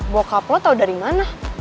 bokap lo tau dari mana